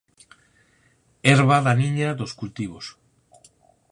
Herba daniña dos cultivos.